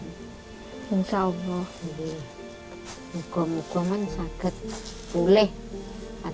namun harapan fahri untuk bisa pulih kembali begitu besar